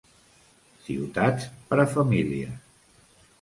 Ciutats per a famílies.